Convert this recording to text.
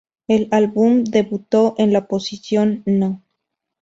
El álbum debutó en la posición No.